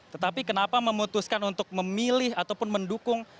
tetapi kenapa memutuskan untuk memilih ataupun mendukung